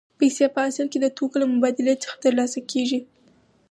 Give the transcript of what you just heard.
پیسې په اصل کې د توکو له مبادلې څخه ترلاسه کېږي